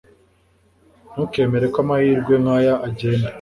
Ntukemere ko amahirwe nkaya agenda.